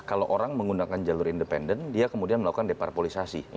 kalau orang menggunakan jalur independen dia kemudian melakukan deparpolisasi